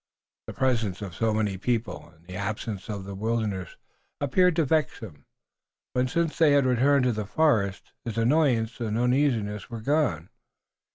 The presence of so many people and the absence of the wilderness appeared to vex him. But since they had returned to the forest his annoyance and uneasiness were gone.